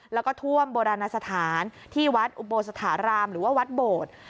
แล้วก็ท่วมโบราณสถานที่วัดอุโบสถารามหรือว่าวัดโบสถ์